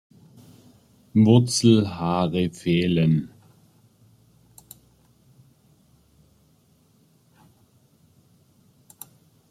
Wurzelhaare fehlen.